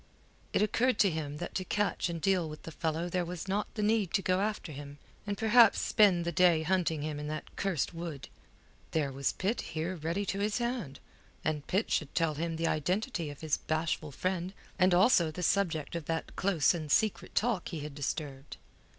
It occurred to him that to catch and deal with the fellow there was not the need to go after him, and perhaps spend the day hunting him in that cursed wood. There was Pitt here ready to his hand, and Pitt should tell him the identity of his bashful friend, and also the subject of that close and secret talk he had disturbed.